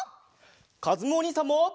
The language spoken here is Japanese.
かずむおにいさんも。